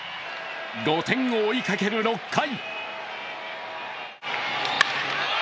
５点を追いかける６回。